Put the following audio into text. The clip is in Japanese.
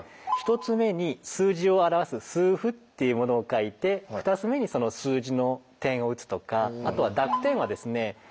１つ目に数字を表す数符っていうものを書いて２つ目にその数字の点を打つとかあとは濁点はですね